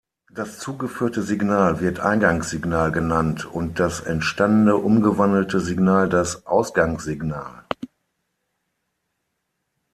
Das zugeführte Signal wird "Eingangssignal" genannt und das entstandene, umgewandelte Signal das "Ausgangssignal".